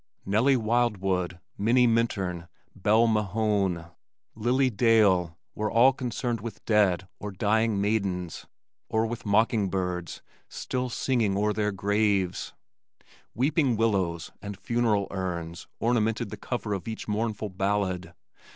Nellie Wildwood, Minnie Minturn, Belle Mahone, Lily Dale were all concerned with dead or dying maidens or with mocking birds still singing o'er their graves. Weeping willows and funeral urns ornamented the cover of each mournful ballad.